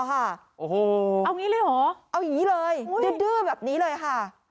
โอ้โหเอางี้เลยเหรอเอาอย่างนี้เลยดื้อแบบนี้เลยค่ะ